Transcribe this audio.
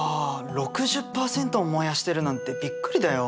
６０％も燃やしてるなんてびっくりだよ。